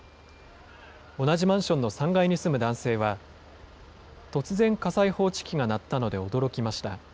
同じマンションの３階に住む男性は、突然、火災報知器が鳴ったので驚きました。